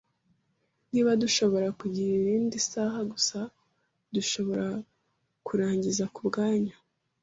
Niba dushobora kugira irindi saha gusa, dushobora kurangiza kubwanyu.